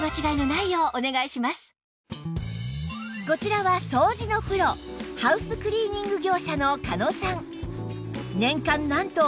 こちらは掃除のプロハウスクリーニング業者の狩野さん